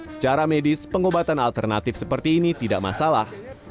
secara medis pengobatan alternatif seperti ini tidak masalah